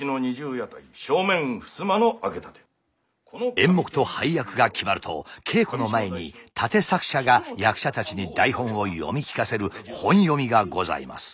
演目と配役が決まると稽古の前に立作者が役者たちに台本を読み聞かせる本読みがございます。